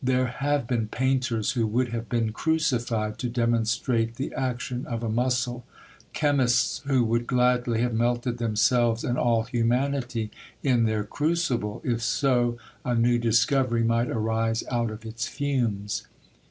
There have been painters who would have been crucified to demonstrate the action of a muscle,—chemists who would gladly have melted themselves and all humanity in their crucible, if so a new discovery might arise out of its fumes.